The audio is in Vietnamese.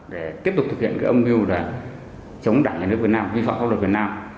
để tiếp tục thực hiện cái âm mưu là chống đảng nhà nước việt nam vi phạm pháp luật việt nam